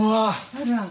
あら。